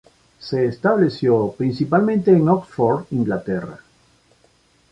Se estableció principalmente en Oxford, Inglaterra.